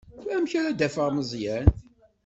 Amek ara d-afeɣ Meẓyan?